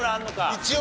一応。